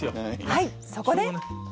はいそこで。